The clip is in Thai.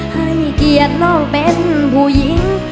ให้เกียรติน้องเป็นผู้หญิง